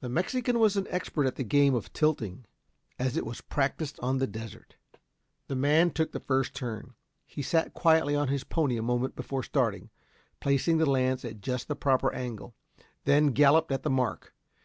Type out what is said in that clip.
The Mexican was an expert at the game of tilting as it was practised on the desert. The man took the first turn. He sat quietly on his pony a moment before starting, placing the lance at just the proper angle then galloped at the mark.